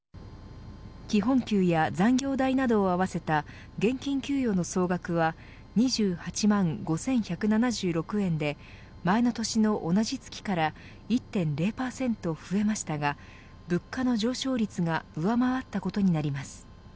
基本給や残業代などを合わせた現金給与の総額は２８万５１７６円で前の年の同じ月から１．０％増えましたが物価の上昇率が上回ったことになります。